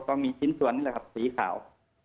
ก็มีชิ้นส่วนนี่แหละครับสีขาว